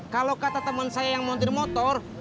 kalau kata temen saya yang montir motor